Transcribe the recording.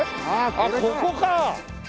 ああこれか。